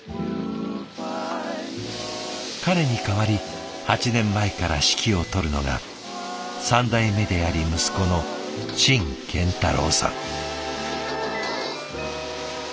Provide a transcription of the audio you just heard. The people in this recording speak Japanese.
彼に代わり８年前から指揮を執るのが３代目であり息子の陳建太郎さん。